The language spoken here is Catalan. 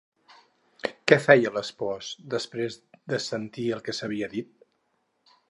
Què feia l'espòs després de sentir el que s'havia dit?